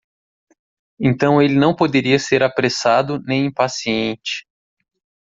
Então ele não poderia ser apressado nem impaciente.